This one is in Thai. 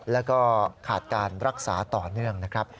แล้วก็ขาดการรักษาต่อเนื่องนะครับ